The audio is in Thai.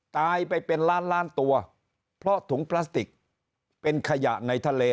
ตายไปเป็นล้านล้านตัวเพราะถุงพลาสติกเป็นขยะในทะเล